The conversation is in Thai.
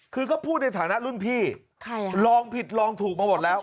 คือก็พูดในฐานะรุ่นพี่ลองผิดลองถูกมาหมดแล้ว